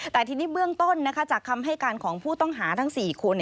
แต่ทีนี้เบื้องต้นจากคำให้การของผู้ต้องหาทั้ง๔คน